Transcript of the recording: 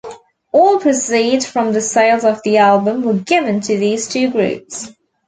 All proceeds from the sales of the album were given to these two groups.